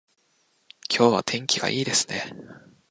今日は天気がいいですね